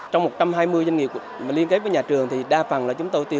trong một trăm hai mươi doanh nghiệp liên kết với nhà trường đa phần là chúng tôi tìm đến